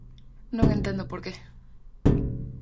Non entendo por que.